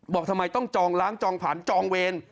บอกทำไมต้องจองล้างจองผันจองเวร